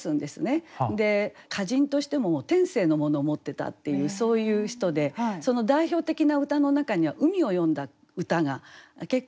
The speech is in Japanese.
歌人としても天性のものを持ってたっていうそういう人でその代表的な歌の中には海を詠んだ歌が結構あります。